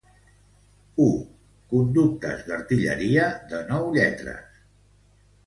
U Conductes d'artilleria, de nou lletres.